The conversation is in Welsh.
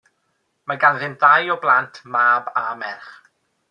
Mae ganddynt ddau o blant, mab a merch.